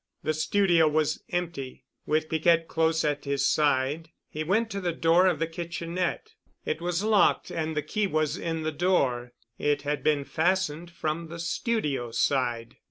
The studio was empty. With Piquette close at his side he went to the door of the kitchenette. It was locked and the key was in the door. It had been fastened from the studio side.